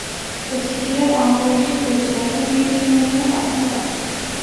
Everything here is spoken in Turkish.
Ötekiler anlayışlı gözlerle birbirlerine baktılar.